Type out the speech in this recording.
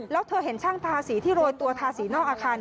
แล้วเธอเห็นช่างทาสีที่โรยตัวทาสีนอกอาคาร